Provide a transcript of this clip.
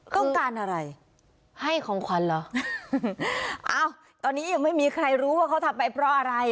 ต้องการอะไรให้ของขวัญเหรออ้าวตอนนี้ยังไม่มีใครรู้ว่าเขาทำไปเพราะอะไร